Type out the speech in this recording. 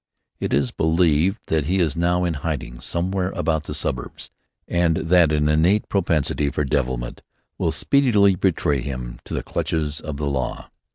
It is believed that he is now in hiding somewhere about the suburbs, and that an innate propensity for devilment will speedily betray him to the clutches of the law.